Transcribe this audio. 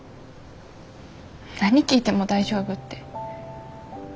何聞いても大丈夫って。